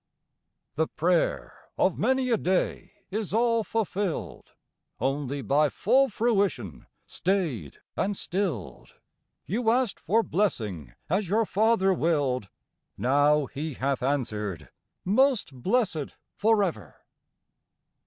_) The prayer of many a day is all fulfilled, Only by full fruition stayed and stilled; You asked for blessing as your Father willed, Now He hath answered: 'Most blessed for ever!'